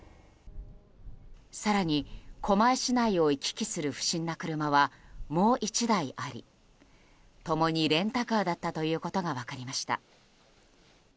更に狛江市内を行き来する不審な車はもう１台あり共にレンタカーだったということが分かりました。